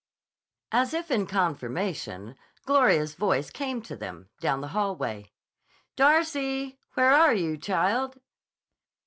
_" As if in confirmation, Gloria's voice came to them, down the hallway. "Darcy! Where are you, child?"